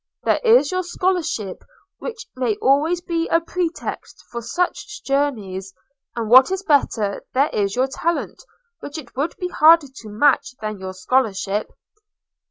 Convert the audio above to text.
There is your scholarship, which may always be a pretext for such journeys; and what is better, there is your talent, which it would be harder to match than your scholarship.